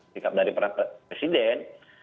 sikap dari presiden